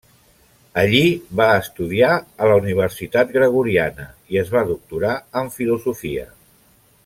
Allí va estudiar a la Universitat Gregoriana i es va doctorar en filosofia.